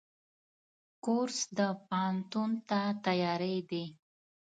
کورس د پوهنتون ته تیاری دی.